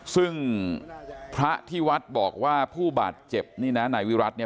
ซึ่งพระอาทิวัตรบอกว่าผู้บาดเจ็บนี่นะไหนวิรัติ